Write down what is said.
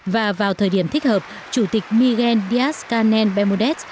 và vào thời điểm thích hợp chủ tịch miguel díaz canel bermodet